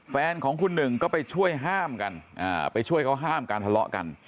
แฟนของคุณหนึ่งก็ไปช่วยห้ามกันไปช่วยเขาห้ามการทะเลาะกัน